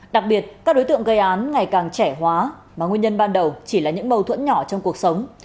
đặc biệt các đối tượng gây án ngày càng trẻ hóa mà nguyên nhân ban đầu chỉ là những mâu thuẫn nhỏ trong cuộc sống